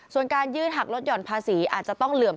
ส่วนการยืดหักลดหย่อนภาษีอาจจะต้องเหลื่อม